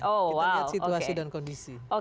kita lihat situasi dan kondisi